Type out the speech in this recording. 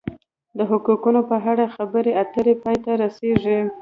د حقوقو په اړه خبرې اترې پای ته رسیږي.